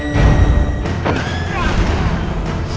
mengisi tenaga kita